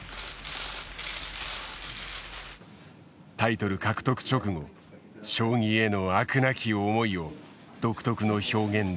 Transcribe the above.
タイトル獲得直後将棋への飽くなき思いを独特の表現で語った。